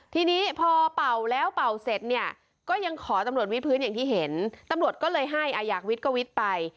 ทีนี้พอเป่าแล้วเป่าเสร็จเนี่ยก็ยังขอตำรวจวิพื้นอย่างที่เห็นตำรวจก็เลยให้อาอยากวิทย์ก็วิทย์ไป